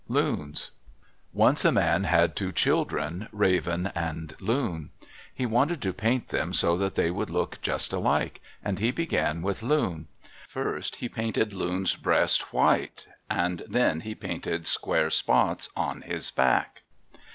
Loons.—Once a man had two children, Raven and Loon. He wanted to paint them so that they would look just alike, and he began with Loon. First he painted Loon's breast white, and then he painted square spots on his back.